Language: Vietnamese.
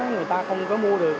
người ta không có mua được